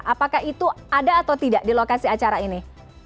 apakah itu ada atau tidak di lokasi acara ini